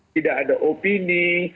tidak ada opini